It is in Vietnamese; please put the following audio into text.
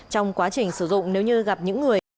trong quá trình sử dụng nếu như gặp những người